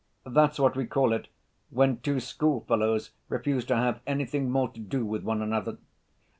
That's what we call it when two schoolfellows refuse to have anything more to do with one another.